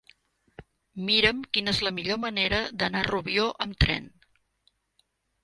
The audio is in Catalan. Mira'm quina és la millor manera d'anar a Rubió amb tren.